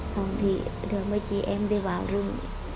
xong thì đưa mấy chị em đi vào rung